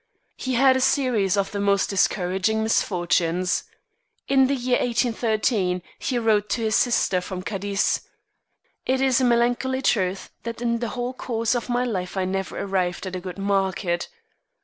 He had a series of the most discouraging misfortunes. In the year 1813 he wrote to his sister from Cadiz: "It is a melancholy truth that in the whole course of my life I never arrived at a good market."